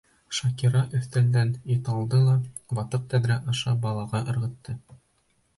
Шакира өҫтәлдән ит алды ла ватыҡ тәҙрә аша балаға ырғытты.